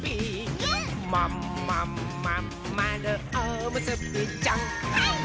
「まんまんまんまるおむすびちゃん」はいっ！